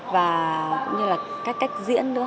và cũng như là cách cách diễn nữa